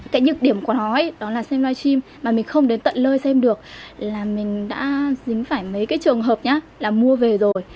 cái nhược điểm của nó là xem live stream mà mình không đến tận lơi xem được là mình đã dính phải mấy cái trường hợp là mua về rồi